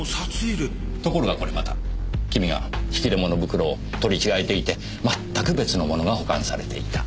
ところがこれまたキミが引き出物袋を取り違えていて全く別のものが保管されていた。